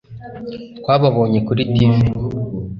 twababonye kuri tivi